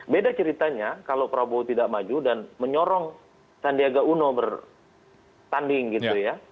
beda ceritanya kalau prabowo tidak maju dan menyorong sandiaga uno bertanding gitu ya